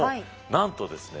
なんとですね